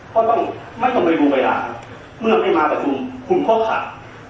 ก็ต้องไม่ต้องไปดูเวลาเมื่อไม่มาประชุมคุณก็สั่ง